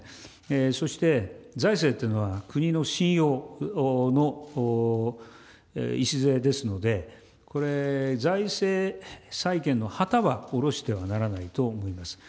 そして財政というのは国の信用の礎ですので、これ、財政再建の旗は降ろしてはならないと思います。